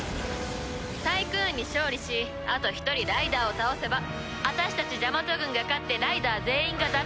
タイクーンに勝利しあと１人ライダーを倒せば私たちジャマト軍が勝ってライダー全員が脱落